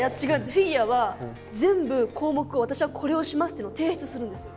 フィギュアは全部項目を「私はこれをします」っていうのを提出するんですよ。